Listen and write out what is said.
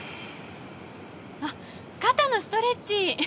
あっ肩のストレッチ。フフッ。